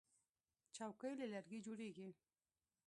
چوکۍ له لرګي جوړیږي.